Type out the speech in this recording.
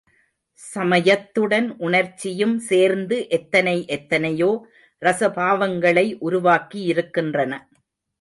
சமயத்துடன் உணர்ச்சியும் சேர்ந்து எத்தனை எத்தனையோ ரஸபாவங்களை உருவாக்கியிருக்கின்றன.